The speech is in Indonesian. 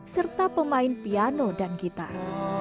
serta pemain piano dan gitar